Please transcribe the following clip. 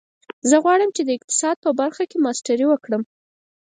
زه غواړم چې د اقتصاد په برخه کې ماسټري وکړم